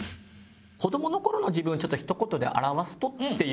子どもの頃の自分をひと言で表すとっていう。